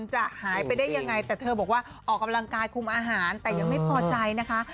จะหายไปได้ยังไงแต่เธอบอกว่าออกกำลังกายคุมอาหารแต่ยังไม่พอใจนะคะ